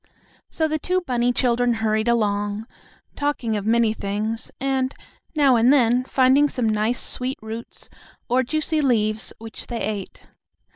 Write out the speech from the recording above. So the two bunny children hurried along, talking of many things, and, now and then, finding some nice sweet roots, or juicy leaves, which they ate.